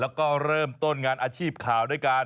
แล้วก็เริ่มต้นงานอาชีพข่าวด้วยกัน